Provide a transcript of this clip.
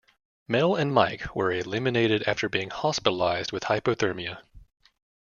Mel and Mike were eliminated after being hospitalized with hypothermia.